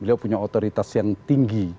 beliau punya otoritas yang tinggi